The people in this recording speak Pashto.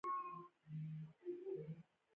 خلک په غیر واقعي ډلو ویشل شوي وو.